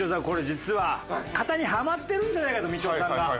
これ実は型にハマってるんじゃないかとみちおさんが。